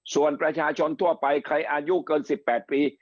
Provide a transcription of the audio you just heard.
ส่วนประชาชนทั่วไปใครอายุเกิน๑๘ปี